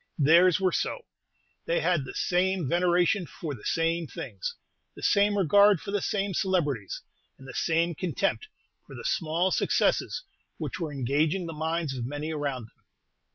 Theirs were so. They had the same veneration for the same things, the same regard for the same celebrities, and the same contempt for the small successes which were engaging the minds of many around them.